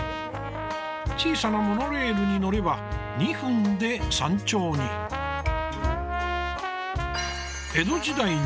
小さなモノレールに乗れば２分で山頂に。